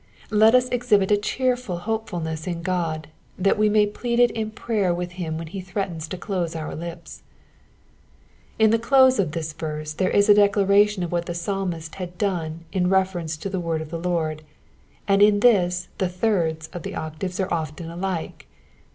Let us exhibit a cheerful hopeful, ness in God, that we may plead it in prayer with him when he threatens to close our lips. % In the close of this verse there is a declaration of Mihat the Psalmist had done in reference to the word of the Lord, and in this the thirds of the octaves are often alike.